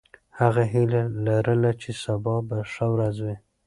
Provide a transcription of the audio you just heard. هغه هیله لرله چې سبا به ښه ورځ وي.